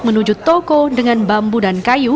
menuju toko dengan bambu dan kayu